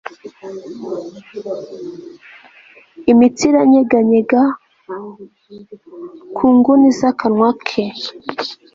imitsi iranyeganyega ku inguni zakanwa ke